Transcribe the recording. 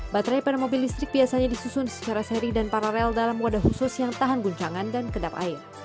baterai pada mobil listrik biasanya disusun secara seri dan paralel dalam wadah khusus yang tahan guncangan dan kedap air